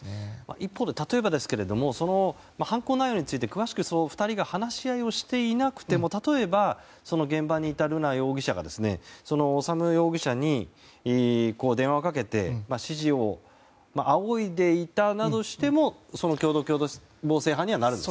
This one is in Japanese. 一方で、例えばですが犯行内容について詳しく２人が話し合いをしていなくても例えば現場にいた瑠奈容疑者が修容疑者に電話をかけて指示を仰いでいたなどしても共謀したことにはなると。